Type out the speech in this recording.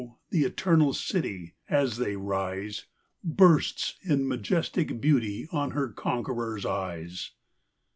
the eternal city, as they rise. Bursts, in majestic beauty, on her conqueror's eyes.